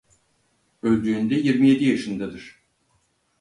Öldüğünde yirmi yedi yaşındadır.